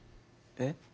えっ？